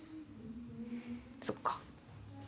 そっか。